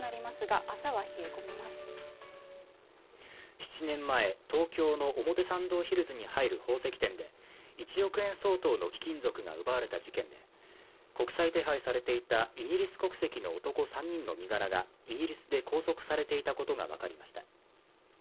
７年前東京の表参道ヒルズに入る宝石店で１億円相当の貴金属が奪われた事件で国際手配されていたイギリス国籍の男３人の身柄がイギリスで拘束されていたことが分かりました